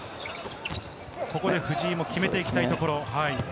ここで藤井も決めていきたいところ。